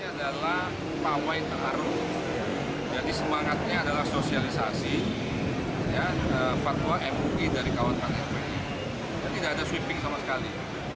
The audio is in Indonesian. ini adalah pawai terharu jadi semangatnya adalah sosialisasi fatwa mui dari kawan kawan fpi dan tidak ada sweeping sama sekali